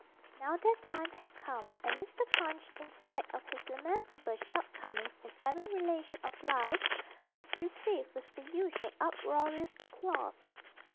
Now their time had come, and Mr. Punch, in spite of his lamentable shortcomings in every relation of life, was received with the usual uproarious applause.